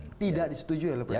tidak disetujui oleh presiden